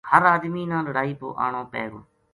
ہر آدمی نا لڑائی پو آنو پے گو